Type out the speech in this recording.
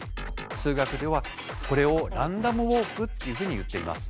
数学ではこれをランダムウォークっていうふうにいっています。